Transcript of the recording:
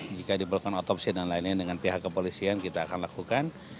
jika diperlukan otopsi dan lainnya dengan pihak kepolisian kita akan lakukan